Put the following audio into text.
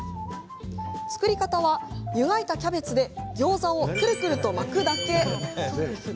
作り方は、湯がいたキャベツでギョーザをくるくると巻くだけ。